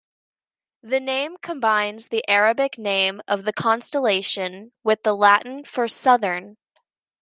The name combines the Arabic name of the constellation with the Latin for "southern".